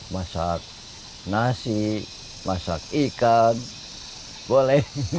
masak nasi masak ikan boleh